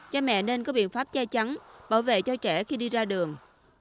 cha mẹ nên có biện pháp che chắn bảo vệ cho trẻ khi đi ra đường